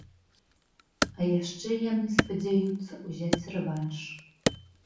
А яшчэ яны спадзяюцца ўзяць рэванш.